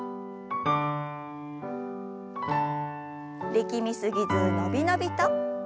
力み過ぎず伸び伸びと。